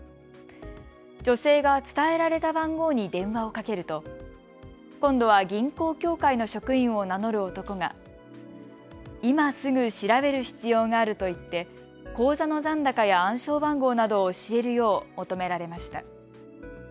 女性が伝えられた番号に電話をかけると今度は銀行協会の職員を名乗る男が今すぐ調べる必要があると言って、口座の残高や暗証番号などを教えるよう求められました。